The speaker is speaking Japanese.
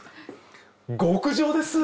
極上です！